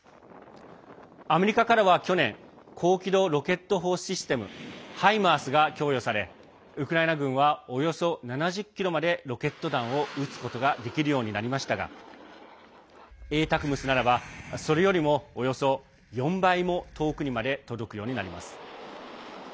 アメリカからは去年高機動ロケット砲システム「ハイマース」が供与されウクライナ軍はおよそ７０ｋｍまでロケット弾を撃つことができるようになりましたが「ＡＴＡＣＭＳ」ならばそれよりも、およそ４倍も遠くにまで届くようになります。